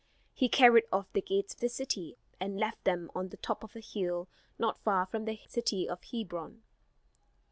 He carried off the gates of the city and left them on the top of a hill not far from the city of Hebron.